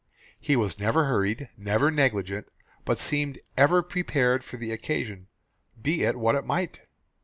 He was never hurried; never negligent; but seemed ever prepared for the occasion, be it what it might.